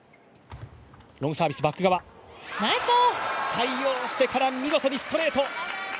対応してから見事にストレート。